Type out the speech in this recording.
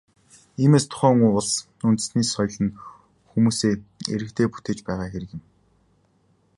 Иймээс, тухайн улс үндэстний соёл нь хүмүүсээ, иргэдээ бүтээж байгаа хэрэг юм.